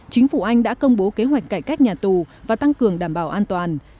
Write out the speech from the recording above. chính phủ anh đã công bố kế hoạch cải cách nhà tù và tăng cường đảm bảo an toàn